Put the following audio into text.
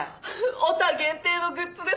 オタ限定のグッズですよ！